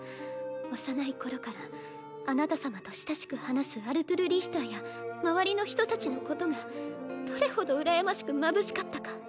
幼い頃からあなた様と親しく話すアルトゥル・リヒターや周りの人たちのことがどれほど羨ましくまぶしかったか。